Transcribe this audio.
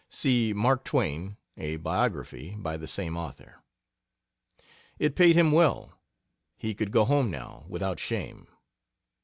[See Mark Twain: A Biography, by the same author] It paid him well; he could go home now, without shame.